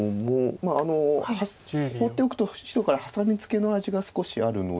まあ放っておくと白からハサミツケの味が少しあるので。